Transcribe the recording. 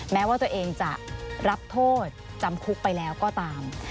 แม้ว่าตัวเองจะรับโทษจำคุกไปแล้วก็ตาม